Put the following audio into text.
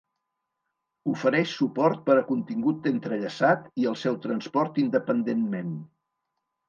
Ofereix suport per a contingut entrellaçat, i el seu transport independentment.